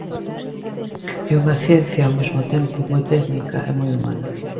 É unha ciencia ao mesmo tempo moi técnica e moi humana.